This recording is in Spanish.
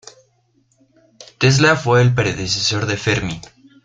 Tesla fue el predecesor de Fermi.